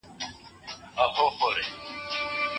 هغه مالونه چي په کور دننه توليديږي بايد خلګ يې وکاروي.